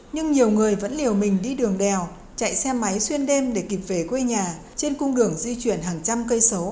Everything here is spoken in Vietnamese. nhưng nhiều người vẫn liều mình đi đường đèo chạy xe máy xuyên đêm để kịp về quê nhà trên cung đường di chuyển hàng trăm cây sấu